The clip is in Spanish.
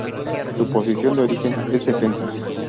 Su posición de origen es defensa.